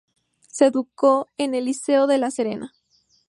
Se educó en el Liceo de La Serena.